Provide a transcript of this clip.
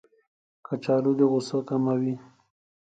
کچالو د غوسه کموي